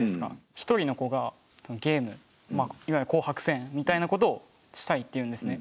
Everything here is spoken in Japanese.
一人の子がゲームいわゆる紅白戦みたいなことをしたいって言うんですね。